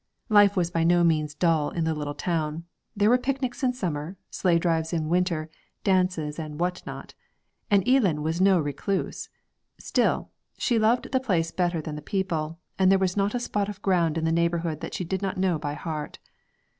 Life was by no means dull in the little town. There were picnics in summer, sleigh drives in winter, dances, and what not; and Eelan was no recluse. Still, she loved the place better than the people, and there was not a spot of ground in the neighbourhood that she did not know by heart.